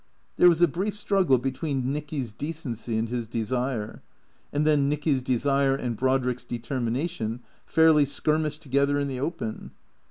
There was a brief struggle be tween Nicky's decency and his desire; and then Nicky's desire and Brodrick's determination fairly skirmished together in the open.